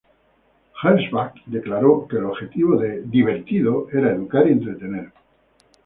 Gernsback declaró que el objetivo de "Amazing" era educar y entretener.